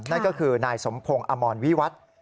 นั่นก็คือนายสมพงศ์อมรวิวัตร